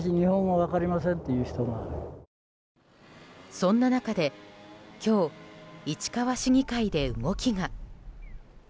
そんな中で、今日市川市議会で動きが。